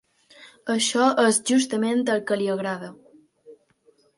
Això és justament el que li agrada.